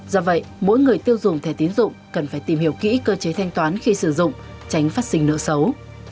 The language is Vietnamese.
do vậy mỗi người tiêu dùng thẻ tiến dụng cần phải tìm hiểu kỹ cơ chế thanh toán khi sử dụng tránh phát sinh nợ xấu